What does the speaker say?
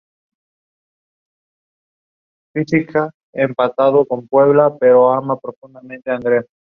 Este es el tipo menos alto de los tres.